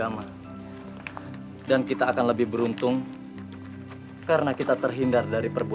mas kita akan pergi jalan baru